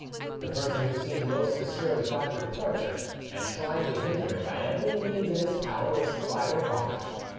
The person who seemed most disturbed by the departure, and tried to hinder it by every means in his power, was Friar Robert.